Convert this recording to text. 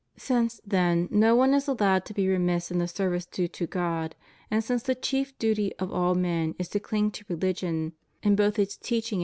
Since, then, no one is allowed to be remiss in the service due to God, and since the chief duty of all men is to cling to religion in both its teaching * Wisd.